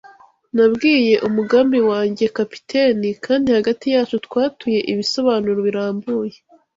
Nabwiye umugambi wanjye kapiteni, kandi hagati yacu twatuye ibisobanuro birambuye